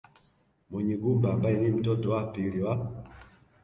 Munyigumba ambaye ni mtoto wa pili wa